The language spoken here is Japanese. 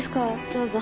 どうぞ。